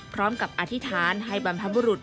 พร้อมกับอธิษฐานให้บรรพบุรุษ